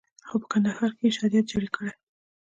او په کندهار کښې يې شريعت جاري کړى.